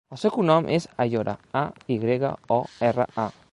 El seu cognom és Ayora: a, i grega, o, erra, a.